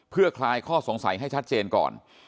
เพื่อคลายข้อสงสัยให้ชัดเจนก่อน